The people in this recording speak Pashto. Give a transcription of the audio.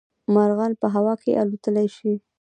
مارغان په هوا کې الوتلی شي